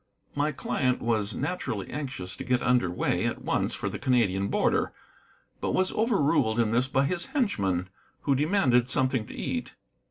My client was naturally anxious to get under way at once for the Canadian border, but was overruled in this by his henchmen, who demanded something to eat.